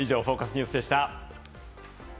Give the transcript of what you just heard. ニュースでした。